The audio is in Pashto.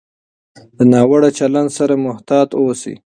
د ناوړه چلند سره محتاط اوسئ.